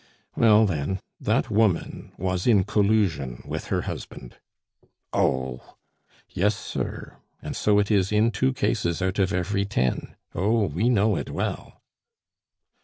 "Well, then, that woman was in collusion with her husband." "Oh! " "Yes, sir, and so it is in two cases out of every ten. Oh! we know it well."